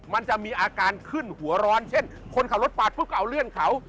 มันจะมีอาการขึ้นหัวร้อนเช่นคนขับรถปาดปุ๊บก็เอาเลื่อนเขา